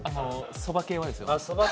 そば系はですよ。